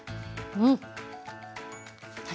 うん！